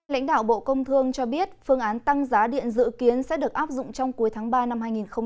lãnh đạo bộ công thương cho biết phương án tăng giá điện dự kiến sẽ được áp dụng trong cuối tháng ba năm hai nghìn hai mươi